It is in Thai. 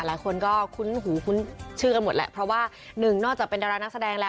หลายคนก็คุ้นหูคุ้นชื่อกันหมดแหละเพราะว่าหนึ่งนอกจากเป็นดารานักแสดงแล้ว